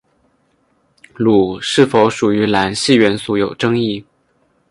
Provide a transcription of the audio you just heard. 镥是否属于镧系元素有争论。